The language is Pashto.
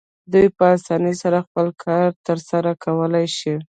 دوی په اسانۍ سره خپل کار ترسره کولی شو.